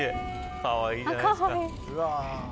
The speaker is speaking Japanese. かわいいじゃないですか。